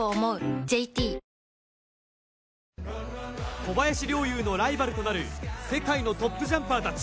小林陵侑のライバルとなる世界のトップジャンパーたち。